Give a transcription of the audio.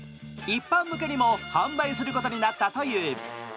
一般向けにも販売することになったという。